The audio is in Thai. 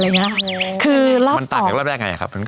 มันต่างกับรอบแรกไงครับ